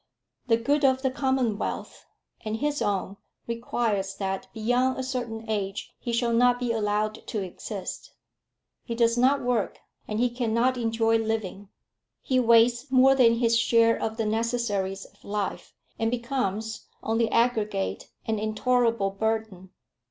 The good of the commonwealth, and his own, requires that, beyond a certain age, he shall not be allowed to exist. He does not work, and he cannot enjoy living. He wastes more than his share of the necessaries of life, and becomes, on the aggregate, an intolerable burden.